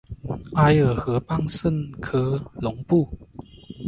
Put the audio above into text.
埃尔河畔圣科隆布。